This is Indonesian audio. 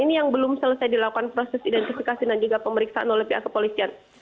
ini yang belum selesai dilakukan proses identifikasi dan juga pemeriksaan oleh pihak kepolisian